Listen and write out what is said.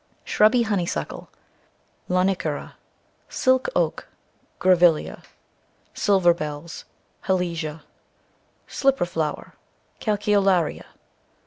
Shrubby Honeysuckle, cc Lonicera. Silk Oak, cc Grevillea. Silver Bells, cc Halesia. Slipper Flower, cc Calceolaria.